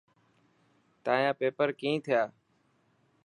تايان پيپر ڪين ٿيا؟